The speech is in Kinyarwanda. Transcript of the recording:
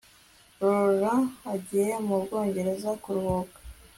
laurie agiye mu bwongereza kuruhuka